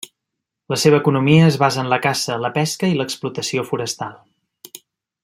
La seva economia es basa en la caça, la pesca i l'explotació forestal.